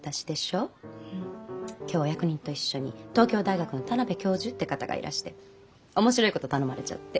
今日お役人と一緒に東京大学の田邊教授って方がいらして面白いこと頼まれちゃって。